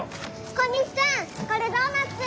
小西さんこれドーナッツ！